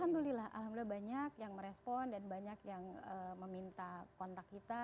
alhamdulillah alhamdulillah banyak yang merespon dan banyak yang meminta kontak kita